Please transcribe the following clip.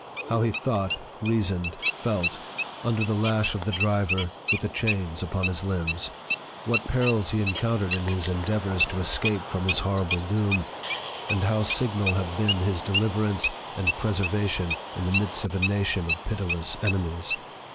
how he thought, reasoned, felt, under the lash of the driver, with the chains upon his limbs ! what perils he encountered in his endeavors to escape from his horrible doom ! and how signal have been his deliverance and preservation in the midst of a nation of pitiless enemies